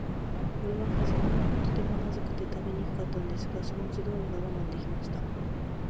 これははじめは、とても、まずくて食べにくかったのですが、そのうちに、どうにか我慢できました。